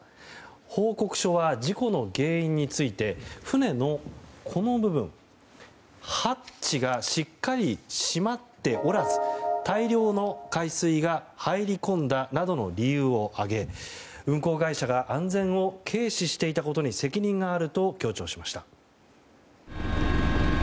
報告書は事故の原因について船のこの部分、ハッチがしっかり閉まっておらず大量の海水が入り込んだなどの理由を挙げ運航会社が安全を軽視していたことに責任があると強調しました。